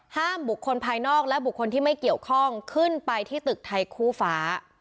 ห้ามบุคคลภายนอกและบุคคลที่ไม่เกี่ยวข้องขึ้นไปที่ตึกไทยคู่ฟ้า